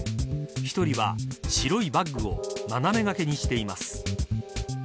１人は白いバッグを斜め掛けにしています。